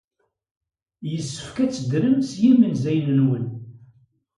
Yessefk ad teddrem s yimenzayen-nwen.